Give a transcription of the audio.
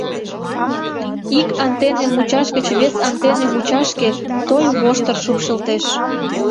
Ик антенне мучаш гыч вес антенне мучашке той воштыр шупшылтеш.